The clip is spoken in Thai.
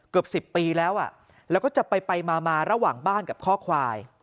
เกือบ๑๐ปีแล้วแล้วก็จะไปมาระหว่างบ้านกับข้อควาย